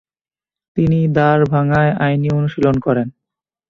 তিনি দ্বারভাঙ্গায় আইনি অনুশীলন করেন।